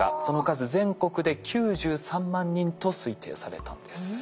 その数全国で９３万人と推定されたんです。